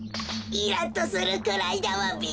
イラッとするくらいだわべ。